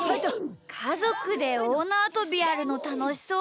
かぞくでおおなわとびやるのたのしそうだな。